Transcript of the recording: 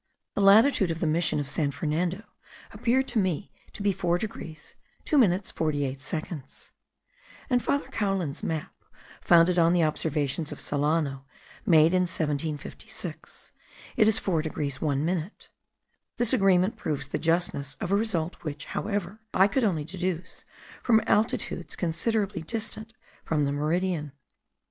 The latitude of the mission of San Fernando appeared to me to be 4 degrees 2 minutes 48 seconds. In Father Caulin's map, founded on the observations of Solano made in 1756, it is 4 degrees 1 minute. This agreement proves the justness of a result which, however, I could only deduce from altitudes considerably distant from the meridian.